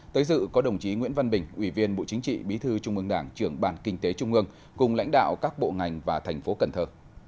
tới dự có đồng chí nguyễn văn bình ủy viên bộ chính trị bí thư trung ương đảng trưởng bàn kinh tế trung ương cùng lãnh đạo các bộ ngành và thành phố cần thơ